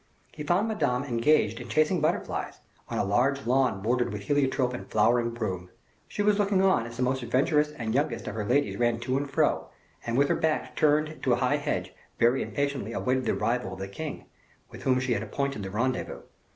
He found Madame engaged in chasing butterflies, on a large lawn bordered with heliotrope and flowering broom. She was looking on as the most adventurous and youngest of her ladies ran to and fro, and with her back turned to a high hedge, very impatiently awaited the arrival of the king, with whom she had appointed the rendezvous.